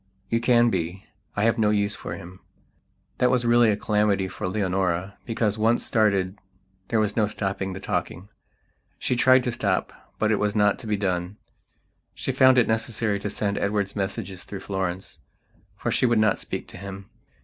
You can be. I have no use for him." That was really a calamity for Leonora, because, once started, there was no stopping the talking. She tried to stopbut it was not to be done. She found it necessary to send Edward messages through Florence; for she would not speak to him.